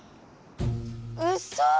うそ！